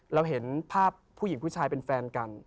เราเห็นภาพผู้หญิงผู้ชายเป็นแฟนกัน